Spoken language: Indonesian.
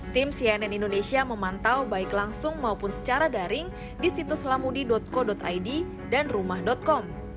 tim cnn indonesia memantau baik langsung maupun secara daring di situs lamudi co id danrumah com